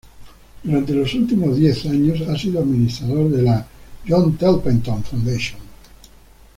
Durante los últimos diez años ha sido administrador de la John Templeton Foundation.